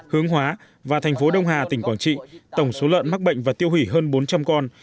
hướng hóa và thành phố đông hà tỉnh quảng trị tổng số lợn mắc bệnh và tiêu hủy hơn bốn trăm linh con